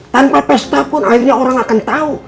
tanpa pesta pun akhirnya orang akan tahu